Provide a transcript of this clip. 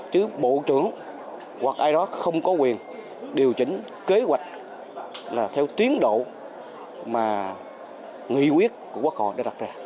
chứ bộ trưởng hoặc ai đó không có quyền điều chỉnh kế hoạch là theo tiến độ mà nghị quyết của quốc hội đã đặt ra